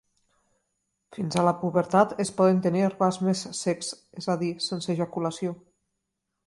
Fins a la pubertat es poden tenir orgasmes secs, és a dir, sense ejaculació.